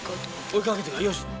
追いかけて、よし。